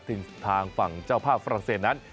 ทางฝั่งเจ้าภาพฝรั่งเศสนั้น